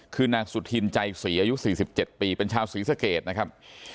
คือนางสุธินใจศรีอายุ๔๗ปีเป็นชาวศรีสเกตนะครับ